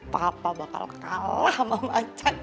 papa bakal kalah sama macan